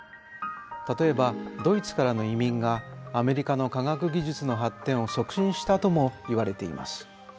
例えばドイツからの移民がアメリカの科学技術の発展を促進したともいわれています。